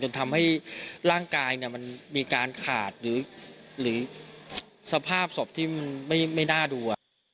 ทำให้ร่างกายมันมีการขาดหรือสภาพศพที่มันไม่น่าดู